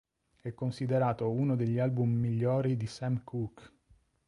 È considerato uno degli album migliori di Sam Cooke.